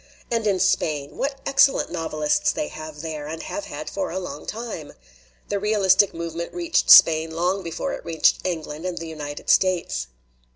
"And in Spain what excellent novelists they have there and have had for a long time! The realistic movement reached Spain long before it reached England and the United States.